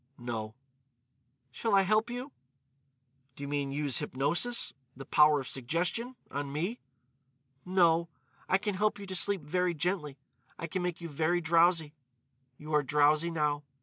"No." "Shall I help you?" "Do you mean use hypnosis—the power of suggestion—on me?" "No. I can help you to sleep very gently. I can make you very drowsy.... You are drowsy now....